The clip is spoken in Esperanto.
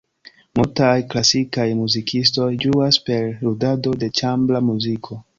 Multaj klasikaj muzikistoj ĝuas per ludado de ĉambra muziko.